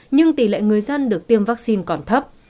nhưng tỷ lệ người dân được tiêm vaccine còn thấp